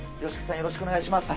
よろしくお願いします。